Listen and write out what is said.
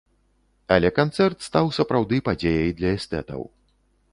Але канцэрт стаў сапраўды падзеяй для эстэтаў.